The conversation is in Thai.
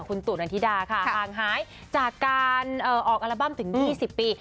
คุณตู่นันธิดาค่ะห่างหายจากการออกอัลบั้มถึง๒๐ปี